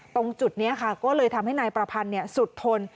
ตรงจุดนี้ค่ะก็เลยทำให้นายประพันธ์สุดทน